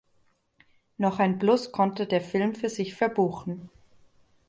Noch ein Plus konnte der Film für sich verbuchen.